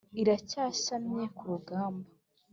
Iracyashyamye ku rugamba,